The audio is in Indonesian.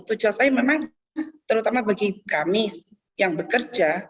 tujuan saya memang terutama bagi kami yang bekerja